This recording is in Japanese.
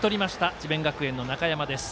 智弁学園の中山です。